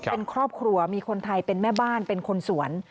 เป็นครอบครัวมีคนไทยเป็นแม่บ้านเป็นคนสวน